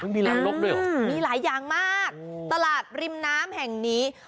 มันมีหลังรถด้วยหรอมีหลายอย่างมากโอ้ยตลาดริมน้ำแห่งนี้